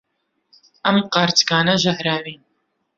ئەم قارچکانە ژەهراوین.